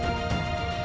nah ini sudah hilang